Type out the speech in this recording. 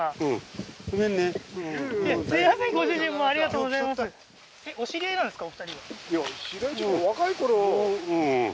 そうなんですか